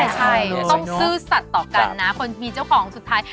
ใช่ต้องซื่อสัตว์ต่อกันนะคนมีเจ้าของสุดท้าย